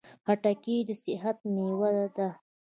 خټکی د صحت مېوه ده.